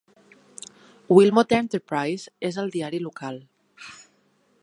Wilmot Enterprise és el diari local.